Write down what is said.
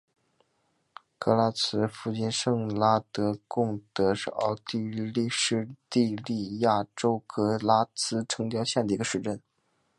格拉茨附近圣拉德贡德是奥地利施蒂利亚州格拉茨城郊县的一个市镇。